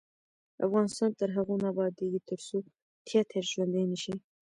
افغانستان تر هغو نه ابادیږي، ترڅو تیاتر ژوندی نشي.